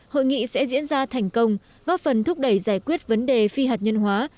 hội nghị sẽ diễn ra thành công góp phần thúc đẩy giải quyết vấn đề phi hạt nhân hóa